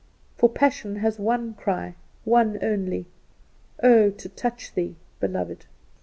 For passion has one cry, one only "Oh, to touch thee, Beloved!"